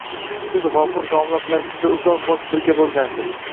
Siz G‘afur domla bilan juda uzoq vaqt birga bo‘lgansiz